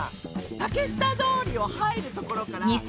竹下通りを入るところから。